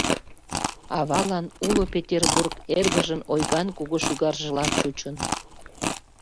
Авалан уло Петербург эргыжын ойган кугу шӱгаржыла чучын...